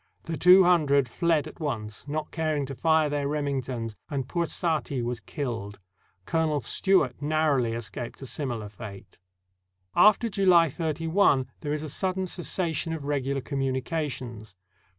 The two hun dred fled at once, not caring to fire their Remingtons, and poor Saati was killed. Colonel Stewart narrowly escaped a similar fate. After July 31, there is a sudden cessation of regular communications.